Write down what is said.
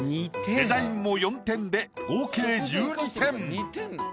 デザインも４点で合計１２点。